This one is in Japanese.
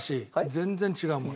全然違うもの。